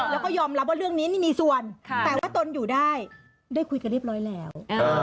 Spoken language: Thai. แล้วก็ยอมรับว่าเรื่องนี้นี่มีส่วนแต่ว่าตนอยู่ได้ได้คุยกันเรียบร้อยแล้ว